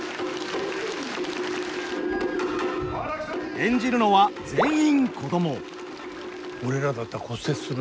演じるのは全員子ども。